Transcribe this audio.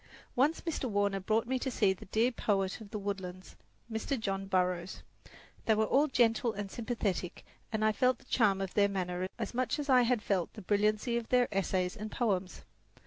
Once Mr. Warner brought to see me the dear poet of the woodlands Mr. John Burroughs. They were all gentle and sympathetic and I felt the charm of their manner as much as I had felt the brilliancy of their essays and poems.